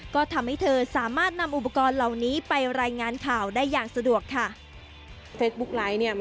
ก็ทำให้เธอสามารถนำอุปกรณ์เหล่านี้ไปรายงานข่าวได้อย่างสะดวกค่ะ